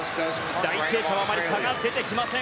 第１泳者はあまり差が出てきません。